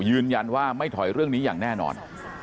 ยืนยันว่าไม่ถอยเรื่องนี้อย่างแน่นอน